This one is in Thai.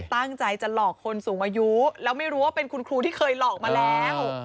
ตั้งใจจะหลอกคนสูงอายุแล้วไม่รู้ว่าเป็นคุณครูที่เคยหลอกมาแล้ว